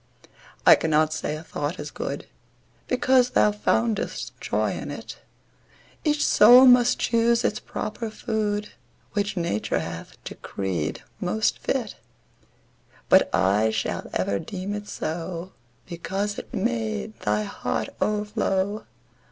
I cannot say a thought is good Because thou foundest joy in it; Each soul must choose its proper food Which Nature hath decreed most fit; But I shall ever deem it so Because it made thy heart o'erflow.